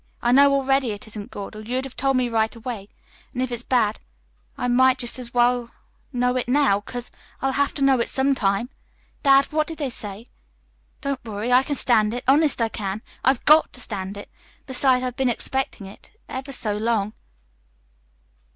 I know already it isn't good, or you'd have told me right away. And if it's bad I might just as well know it now, 'cause I'll have to know it sometime. Dad, what did they say? Don't worry. I can stand it honest, I can. I've GOT to stand it. Besides, I've been expecting it ever so long.